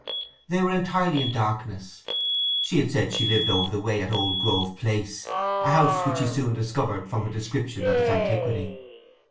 They were entirely in darkness. She had said she lived over the way at Old Grove Place, a house which he soon discovered from her description of its antiquity.